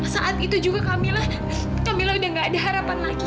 saat itu juga kak mila kak mila sudah tidak ada harapan lagi